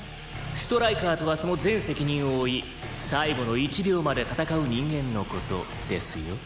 「ストライカーとはその全責任を負い最後の１秒まで戦う人間の事ですよ」